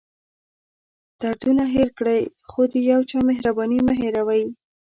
دردونه هېر کړئ خو د یو چا مهرباني مه هېروئ.